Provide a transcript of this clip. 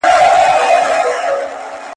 • څلور کوره، پنځه ئې ملکان.